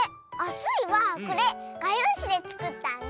スイはこれ！がようしでつくったんだ。